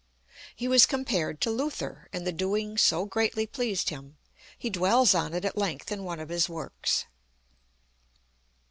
He was compared to LUTHER, and the doing so greatly pleased him; he dwells on it at length in one of his works.